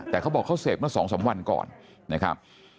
แต่เขาบอกเขาเสพเมื่อ๒๓วันก่อนนะครับ